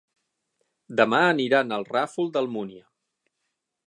Demà aniran al Ràfol d'Almúnia.